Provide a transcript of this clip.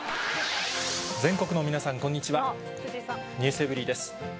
全国の皆さんこんにちは『ｎｅｗｓｅｖｅｒｙ．』です。